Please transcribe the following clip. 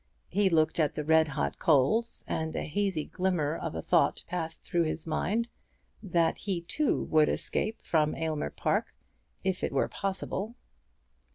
He looked at the red hot coals, and a hazy glimmer of a thought passed through his mind, that he too would escape from Aylmer Park, if it were possible.